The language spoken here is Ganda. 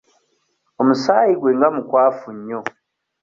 Omusaayi gwe nga mukwafu nnyo.